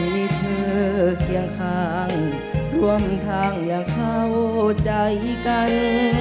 มีเธอเคียงข้างร่วมทางอย่างเข้าใจกัน